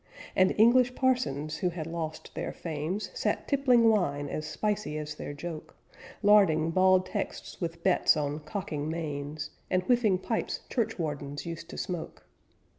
And English parsons, who had lost their fames, Sat tippling wine as spicy as their joke, Larding bald texts with bets on cocking mains, And whiffing pipes churchwardens used to smoke.